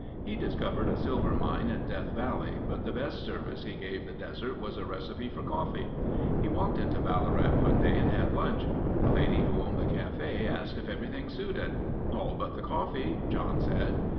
He discovered a silver mine in Death Valley but the best service he gave the desert was a recipe for coffee. He walked into Ballarat one day and had lunch. The lady who owned the cafe asked if everything suited. "All but the coffee," John said.